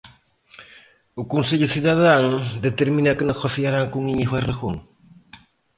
O Consello Cidadán determina que negociarán con Íñigo Errejón.